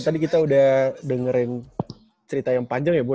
tadi kita udah dengerin cerita yang panjang ya bu